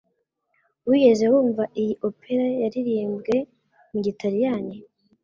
Wigeze wumva iyi opera yaririmbwe mu Gitaliyani?